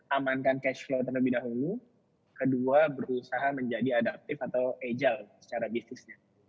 amankan cash flow terlebih dahulu kedua berusaha menjadi adaptif atau agile secara bisnisnya